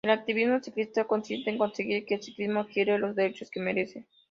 El activismo ciclista consiste en conseguir que el ciclismo adquiera los derechos que merece.